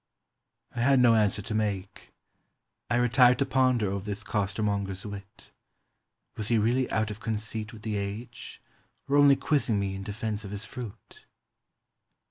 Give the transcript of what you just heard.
I had no answer to make. I retired to ponder over this costermonger's wit. Was he really out of conceit with the age, or only quizzing me in defense of his fruit?